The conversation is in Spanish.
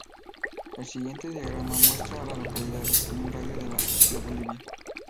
El siguiente diagrama muestra a las localidades en un radio de de Bolivia.